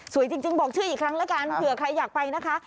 จริงบอกชื่ออีกครั้งแล้วกันเผื่อใครอยากไปนะคะ